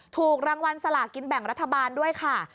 ถูกรางวัลสลากินแบ่งรัฐบาลด้วยค่ะ